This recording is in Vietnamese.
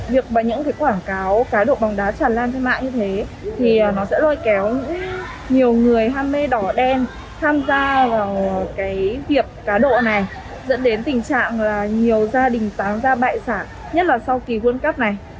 việc bằng những quảng cáo cá độ bóng đá tràn lan trên mạng như thế thì nó sẽ lôi kéo nhiều người ham mê đỏ đen tham gia vào việc cá độ này dẫn đến tình trạng là nhiều gia đình tám gia bại sản nhất là sau kỳ quân cấp này